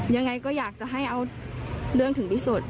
อย่างไรก็อยากจะให้เอาเรื่องถึงพิสูจน์